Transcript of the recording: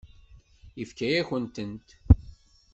Yefka-yakent-tent.